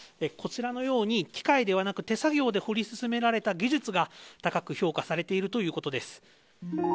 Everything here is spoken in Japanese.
こちらのように、機械ではなく手作業で掘り進められた技術が高く評価されているということです。